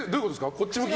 こっち向き。